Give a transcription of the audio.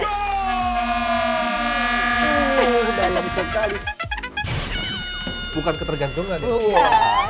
uuuuh dalam sekali bukan ketergantungan ya bukan